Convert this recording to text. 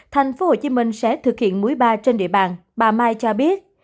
thành phố hồ chí minh sẽ thực hiện mũi ba trên địa bàn bà mai cho biết